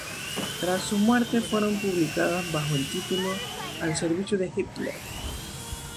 Tras su muerte fueron publicadas bajo el título ""Al servicio de Hitler"...".